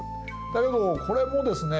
だけどこれもですね